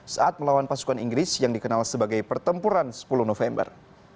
saat melawan pasukan inggris yang dikenal sebagai pertempuran sepuluh november